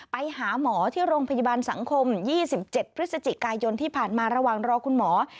ไปหาหมอที่โรงพยาบาลสังคม๒๗พฤศจิกายนที่ผ่านมาระหว่างรอคุณหมอ